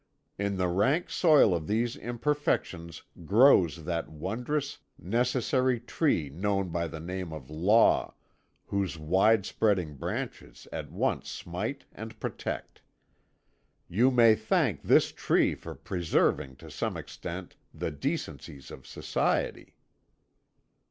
In the rank soil of these imperfections grows that wondrous, necessary tree known by the name of Law, whose wide spreading branches at once smite and protect. You may thank this tree for preserving to some extent the decencies of society."